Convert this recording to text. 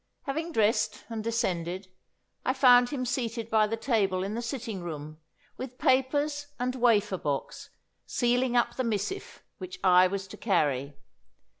Having dressed and descended, I found him seated by the table in the sitting room with papers and wafer box, sealing up the missive which I was to carry.